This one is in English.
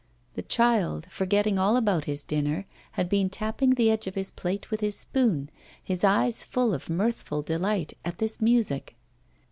The child, forgetting all about his dinner, had been tapping the edge of his plate with his spoon, his eyes full of mirthful delight at this music.